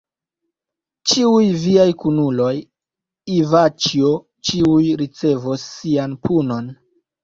Ĉiuj viaj kunuloj, Ivaĉjo, ĉiuj ricevos sian punon.